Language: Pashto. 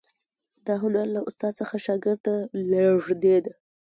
دا هنر له استاد څخه شاګرد ته لیږدید.